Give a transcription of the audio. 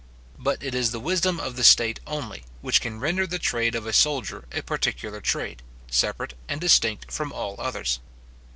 But it is the wisdom of the state only, which can render the trade of a soldier a particular trade, separate and distinct from all others.